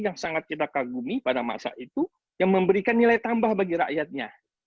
yang sangat kita kagumi pada masa itu yang memberikan nilai tambah bagi rakyatnya